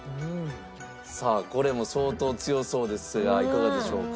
さあこれも相当強そうですがいかがでしょうか？